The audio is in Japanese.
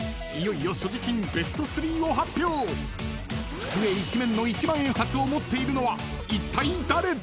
［机一面の一万円札を持っているのはいったい誰だ！？］